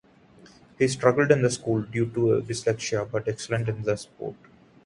He struggled in school due to dyslexia, but excelled in sports.